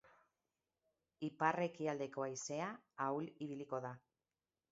Ipar-ekialdeko haizea ahul ibiliko da.